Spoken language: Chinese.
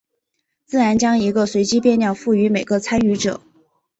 自然将一个随机变量赋予每个参与者。